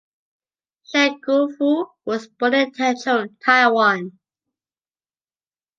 Chen Guofu was born in Taichung, Taiwan.